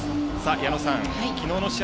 矢野さん、昨日の試合